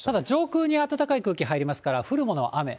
上空に暖かい空気入りますから、降るものは雨。